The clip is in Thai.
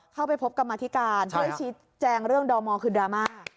เข้าไปพบกรรมธิการช่วยชี้แจงเรื่องดอมอคือดราม่า